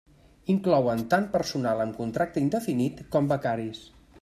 Inclouen tant personal amb contracte indefinit com becaris.